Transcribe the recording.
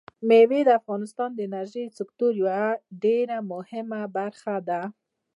مېوې د افغانستان د انرژۍ سکتور یوه ډېره مهمه برخه ده.